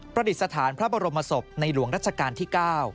ประดิษฐานพระบรมศพในหลวงรัชกาลที่๙